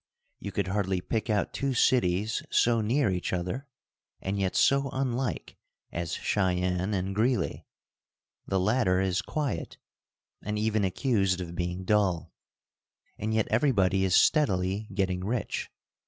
You could hardly pick out two cities so near each other and yet so unlike as Cheyenne and Greeley. The latter is quiet, and even accused of being dull, and yet everybody is steadily getting rich.